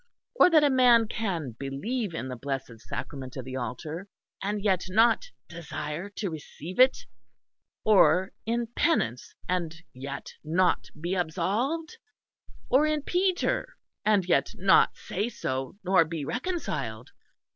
Or that a man can believe in the blessed sacrament of the altar and yet not desire to receive it; or in penance and yet not be absolved; or in Peter and yet not say so, nor be reconciled.